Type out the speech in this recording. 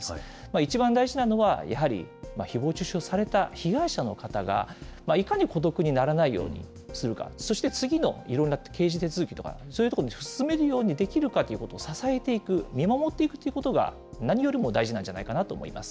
一番大事なのは、やはりひぼう中傷された被害者の方が、いかに孤独にならないようにするか、そして次のいろんな刑事手続きとか、そういうところに進めるようにできるかということ、支えていく、見守っていくということが何よりも大事なんじゃないかなと思います。